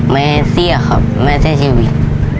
แม่เสียครับแม่เสียชีวิต